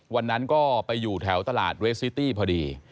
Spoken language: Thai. วันนั้นก็ไปอยู่แถวตลาดเวสซิตี้พอดี